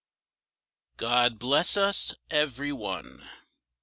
" God bless us every one